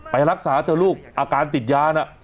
ไปรักษาเถอะลูกอาการติดยาน่ะ